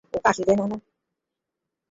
দাদাকে দেখে তাড়াতাড়ি উপরে উঠে এল।